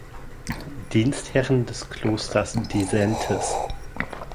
Dienstherren des Klosters Disentis.